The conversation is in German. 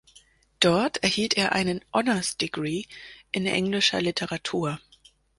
Dort erhielt er einen "Honours Degree" in englischer Literatur.